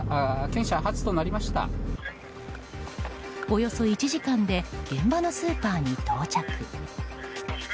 およそ１時間で現場のスーパーに到着。